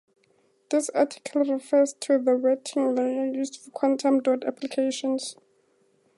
This article refers to the wetting layer used for quantum dot applications.